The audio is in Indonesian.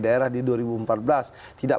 daerah di dua ribu empat belas tidak